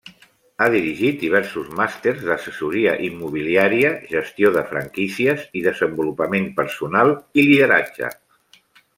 Ha dirigit diversos màsters d'assessoria immobiliària, gestió de franquícies i desenvolupament personal i lideratge.